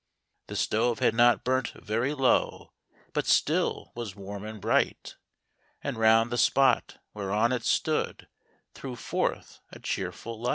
The stove had not burnt very low, But still was warm and bright, And round the spot where on it stood Threw forth a cheerful light.